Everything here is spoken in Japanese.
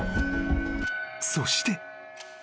［そして］